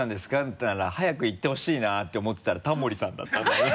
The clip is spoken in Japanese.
だったら早く言ってほしいなって思ってたらタモリさんだったんだよね。